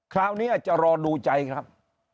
คราวนี้จะรอดูใจครับ